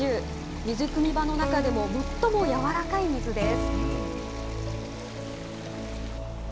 水くみ場の中でも最も軟らかい水です。